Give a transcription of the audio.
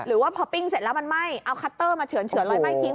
หรือว่าพอปิ้งเสร็จแล้วมันไหม้เอาคัตเตอร์มาเฉือนรอยไหม้ทิ้ง